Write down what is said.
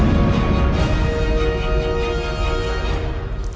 terima kasih banyak ya put